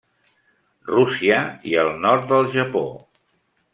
Rússia i el nord del Japó.